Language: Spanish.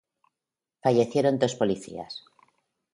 Fallecieron dos policías.